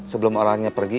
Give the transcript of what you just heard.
sebelum orangnya pergi